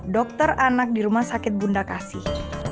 dokter anak di rumah sakit bunda kasih